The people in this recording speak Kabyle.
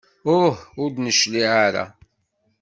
Uh ur d-neclig ara.